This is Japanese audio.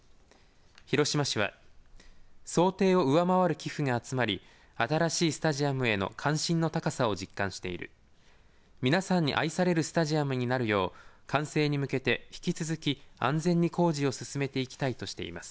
広島市は想定を上回る寄付が集まり新しいスタジアムへの関心の高さを実感している皆さんに愛されるスタジアムになるよう完成に向けて引き続き安全に工事を進めていきたいとしています。